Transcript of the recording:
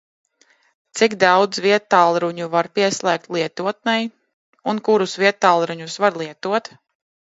Cik daudz viedtālruņu var pieslēgt lietotnei? Un kurus viedtālruņus var lietot?